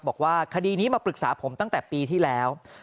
บอกว่าคดีนี้มาปรึกษาผมตั้งแต่ปีที่แล้ว